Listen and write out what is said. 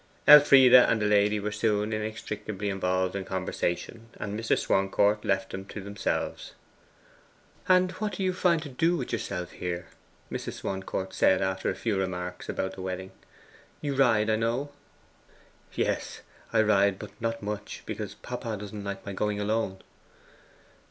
Elfride and the lady were soon inextricably involved in conversation, and Mr. Swancourt left them to themselves. 'And what do you find to do with yourself here?' Mrs. Swancourt said, after a few remarks about the wedding. 'You ride, I know.' 'Yes, I ride. But not much, because papa doesn't like my going alone.